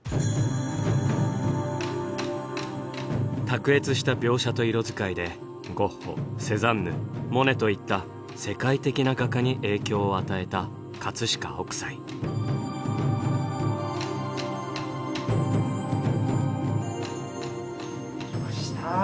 卓越した描写と色使いでゴッホセザンヌモネといった世界的な画家に影響を与えた飾北斎。来ました。